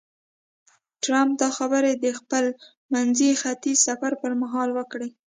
ټرمپ دا خبرې د خپل منځني ختیځ سفر پر مهال وکړې.